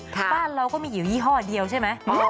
บ้านเราก็มีอยู่ยี่ห้อเดียวใช่ไหม